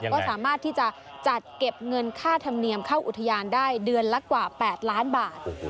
ก็สามารถที่จะจัดเก็บเงินค่าธรรมเนียมเข้าอุทยานได้เดือนละกว่า๘ล้านบาท